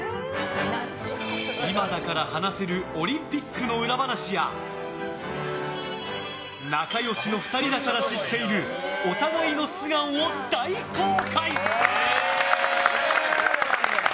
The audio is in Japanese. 今だから話せるオリンピックの裏話や仲良しの２人だから知っているお互いの素顔を大公開！